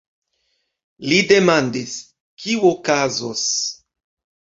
Li demandis: "Kio okazos?